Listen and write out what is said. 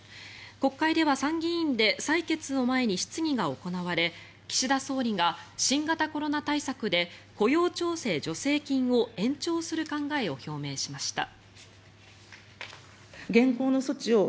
国会では参議院で採決を前に質疑が行われ岸田総理が新型コロナ対策で雇用調整助成金を延長する考えを表明しました。